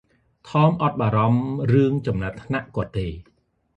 ថម អត់បារម្ភរឿងចំណាត់ថ្នាក់គាត់ទេ។